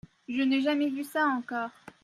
Je n’ai jamais vu ça encore.